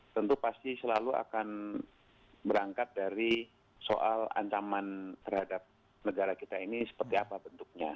tentu pasti selalu akan berangkat dari soal ancaman terhadap negara kita ini seperti apa bentuknya